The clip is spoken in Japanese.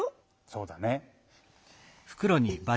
そうだね。